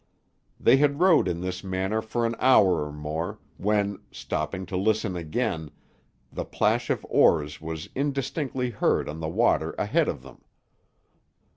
They had rowed in this manner for an hour or more, when, stopping to listen again, the plash of oars was indistinctly heard on the water ahead of them.